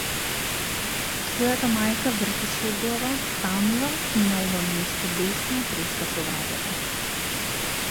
Твојата мајка врти со глава станува и на ова место бесно треска со вратата.